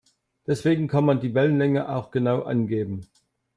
Deswegen kann man die Wellenlänge auch genau angeben.